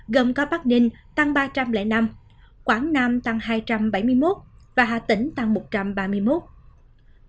các địa phương ghi nhận số ca nhiễm tăng cao nhất so với ngày trước đó gồm có bắc ninh tăng ba trăm linh năm quảng nam tăng hai trăm bảy mươi một và hà tĩnh tăng một trăm ba mươi một